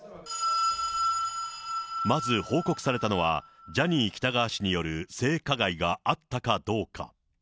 まず報告されたのは、ジャニー喜多川氏による性加害があったかどうか。